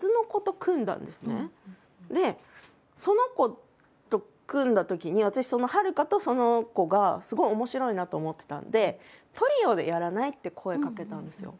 その子と組んだときに私はるかとその子がすごい面白いなあと思ってたんで「トリオでやらない？」って声かけたんですよ。